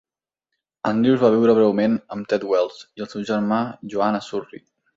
Andrews va viure breument amb Ted Wells i el seu germà Joan a Surrey.